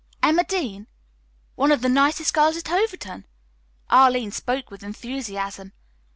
"Emma Dean? One of the nicest girls at Overton." Arline spoke with enthusiasm.